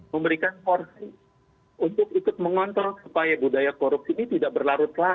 memberikan porsi untuk ikut mengontrol supaya budaya korupsi ini tidak berlarut larut